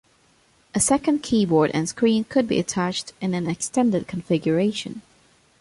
A second keyboard and screen could be attached in an extended configuration.